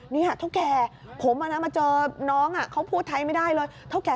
เท่าแก่ผมมาเจอน้องเขาพูดไทยไม่ได้เลย